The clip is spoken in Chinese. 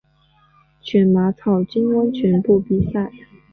群马草津温泉部比赛。